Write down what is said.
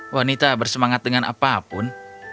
wanita bersemangat dengan apapun